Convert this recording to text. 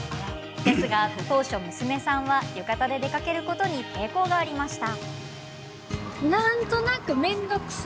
ですが当初、娘さんは浴衣で出かけることに抵抗がありました。